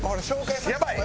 やばい！